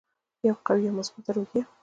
یوه قوي او مثبته روحیه.